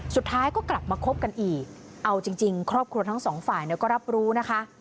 สุดท้ายก็กลับมาคบกันอีกเอาจริงครอบครัวทั้งสองฝ่ายเนี่ยก็รับรู้นะคะ